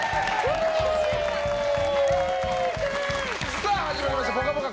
さあ始まりました「ぽかぽか」